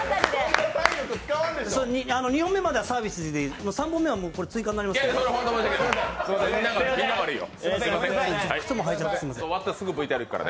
２本目まではサービスで３本目は追加になりますから。